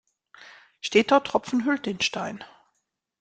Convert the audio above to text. Steter Tropfen höhlt den Stein.